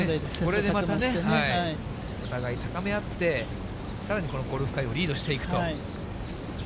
これでまたね、お互い高め合って、さらにこのゴルフ界をリードしていくと。